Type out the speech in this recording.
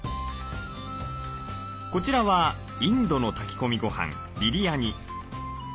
こちらはインドの炊き込みごはんビリヤニ。